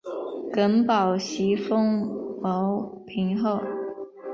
耿宝袭封牟平侯。